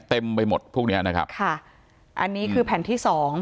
เต็มไปหมดพวกเนี้ยนะครับค่ะอันนี้คือแผ่นที่สอง